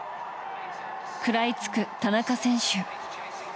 食らいつく田中選手。